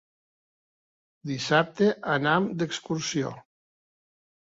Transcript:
Dissabte anam d'excursió.